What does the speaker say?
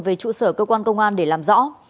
về trụ sở cơ quan công an để làm rõ